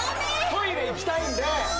トイレ行きたいんで。